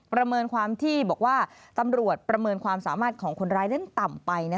ประเมินความที่บอกว่าตำรวจประเมินความสามารถของคนร้ายเล่นต่ำไป